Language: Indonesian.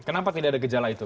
kenapa tidak ada gejala itu